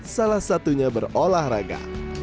salah satunya berolahraga